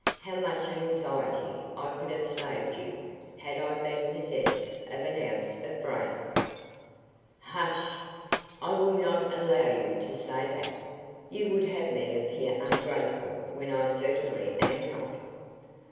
How much anxiety I could have saved you had I been possessed of an ounce of brains!" "Hush! I will not allow you to say that. You would have me appear ungrateful when I certainly am not.